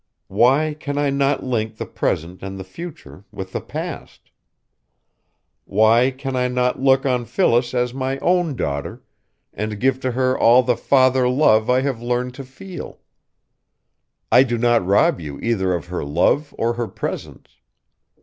Why can I not link the present and the future with the past? Why can I not look on Phyllis as my own daughter, and give to her all the father love I have learned to feel? I do not rob you either of her love or her presence.